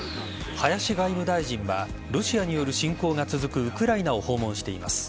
林外務大臣はロシアによる侵攻が続くウクライナを訪問しています。